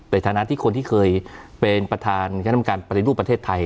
ในฐานะที่คนที่เคยเป็นประธานคณะกรรมการปฏิรูปประเทศไทย